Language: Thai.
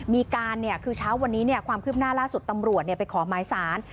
มีการเนี่ยคือเช้าวันนี้เนี่ยความคลิปหน้าล่าสุดตำรวจเนี่ยไปขอหมายสาร